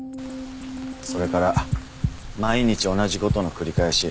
それから毎日同じ事の繰り返し。